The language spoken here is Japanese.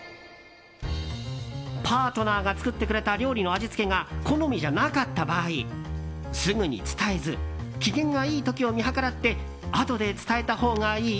パートナーが作ってくれた料理の味付けが好みじゃなかった場合すぐに伝えず機嫌がいい時を見計らってあとで伝えたほうがいい？